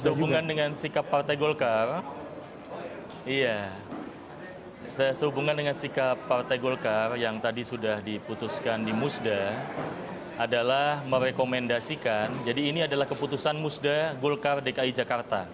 sehubungan dengan sikap partai golkar iya saya sehubungan dengan sikap partai golkar yang tadi sudah diputuskan di musda adalah merekomendasikan jadi ini adalah keputusan musda golkar dki jakarta